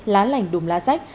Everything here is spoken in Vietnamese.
lá lành đùm lá sách